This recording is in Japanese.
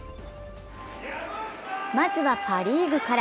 まずはパ・リーグから。